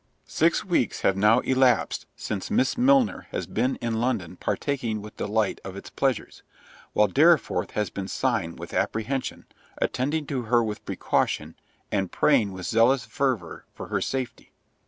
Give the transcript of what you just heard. Six weeks have now elapsed since Miss Milner has been in London partaking with delight all its pleasures, while Dorriforth has been sighing with apprehension, attending to her with precaution, and praying with zealous fervour for her safety.